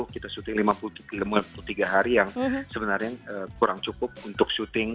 kita syuting lima puluh tiga hari yang sebenarnya kurang cukup untuk syuting